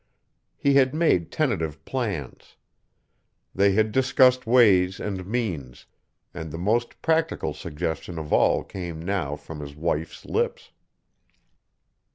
He had made tentative plans. They had discussed ways and means; and the most practical suggestion of all came now from his wife's lips.